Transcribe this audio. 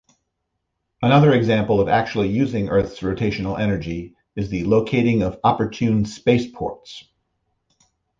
Another example of actually using earth's rotational energy is the locating of opportune spaceports.